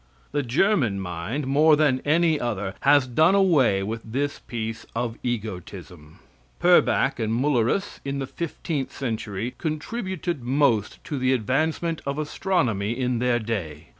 The German mind, more than any other, has done away with this piece of egotism. Purbach and Mullerus, in the fifteenth century, contributed most to the advancement of astronomy in their day.